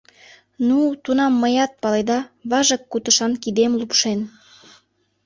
Ну, тунам мыят, паледа, важык кутышан кидем лупшен